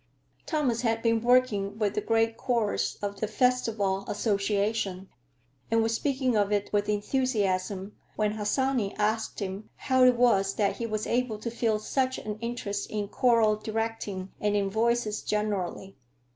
Thomas had been working with the great chorus of the Festival Association and was speaking of it with enthusiasm when Harsanyi asked him how it was that he was able to feel such an interest in choral directing and in voices generally.